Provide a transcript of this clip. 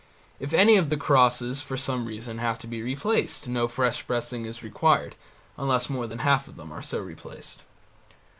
If any of the crosses, for some reason, have to be replaced, no fresh blessing is required, unless more than half of them are so replaced (1839).